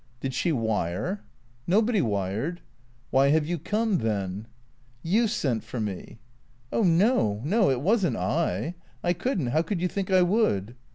" Did she wire ?" "Nobody wired." " Why have you come, then ?"" You sent for me." " Oh no, no. It was n't I. I could n't. How could you think I would